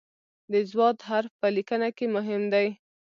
د "ض" حرف په لیکنه کې مهم دی.